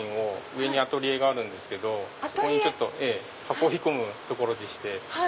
上にアトリエがあるんですけどそこに運び込むところでして。